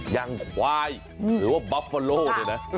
ยังควายหรือว่าบัฟฟาโล่เนี่ยเอ่ย